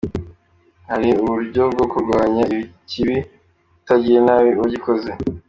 Hari uburyo bwo kurwanya ikibi tutagiriye nabi uwagikoze.